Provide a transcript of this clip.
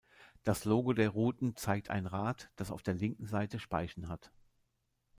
Das Logo der Routen zeigt ein Rad, das auf der linken Seite Speichen hat.